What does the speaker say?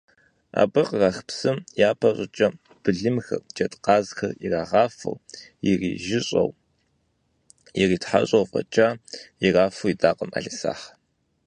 Абы кърах псым, япэ щӏыкӏэ, былымхэр, джэдкъазхэр ирагъафэу, ирижьыщӏэу, иритхьэщӏэу фӏэкӏа ирафу идакъым ӏэлисахь.